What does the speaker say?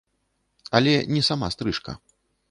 Але не сама стрыжка.